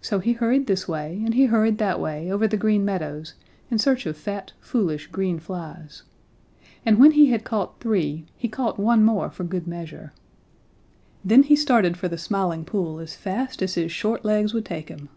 So he hurried this way and he hurried that way over the Green Meadows in search of fat, foolish, green flies. And when he had caught three, he caught one more for good measure. Then he started for the Smiling Pool as fast as his short legs would take him.